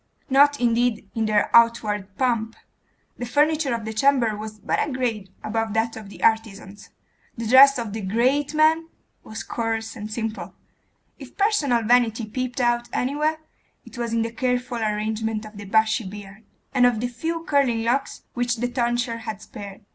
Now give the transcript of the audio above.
Not, indeed, in their outward pomp; the furniture of the chamber was but a grade above that of the artisan's; the dress of the great man was coarse and simple; if personal vanity peeped out anywhere, it was in the careful arrangement of the bushy beard, and of the few curling locks which the tonsure had spared.